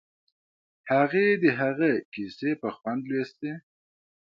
هغې د هغه کیسې په خوند لوستې